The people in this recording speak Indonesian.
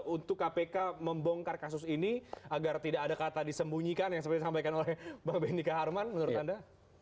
untuk kpk membongkar kasus ini agar tidak ada kata disembunyikan yang seperti disampaikan oleh mbak benny kaharman menurut anda